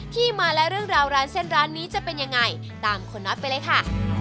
ที่มาและเรื่องราวร้านเส้นร้านนี้จะเป็นยังไงตามคุณน็อตไปเลยค่ะ